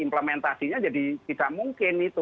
implementasinya jadi tidak mungkin itu